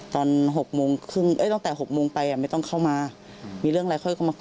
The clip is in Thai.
ตอน๖โมงตั้งแต่๖โมงไปไม่ต้องเข้ามาอะ